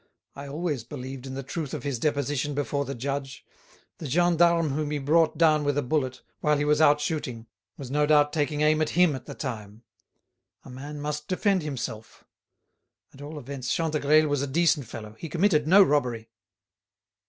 I always believed in the truth of his deposition before the judge. The gendarme whom he brought down with a bullet, while he was out shooting, was no doubt taking aim at him at the time. A man must defend himself! At all events Chantegreil was a decent fellow; he committed no robbery."